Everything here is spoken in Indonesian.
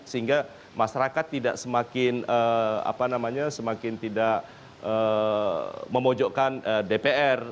sehingga masyarakat tidak semakin apa namanya semakin tidak memojokkan dpr